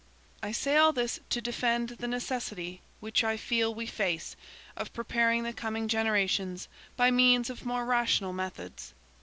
I say all this to defend the necessity, which I feel we face, of preparing the coming generations by means of more rational methods.